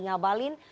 dan juga alvin